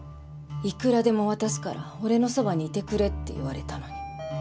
いくらでも渡すから俺のそばにいてくれって言われたのに